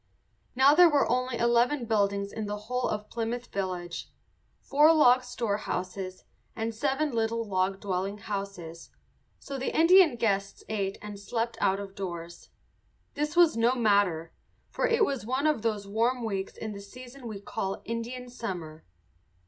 Now there were only eleven buildings in the whole of Plymouth village, four log storehouses and seven little log dwelling houses; so the Indian guests ate and slept out of doors. This was no matter, for it was one of those warm weeks in the season we call Indian summer.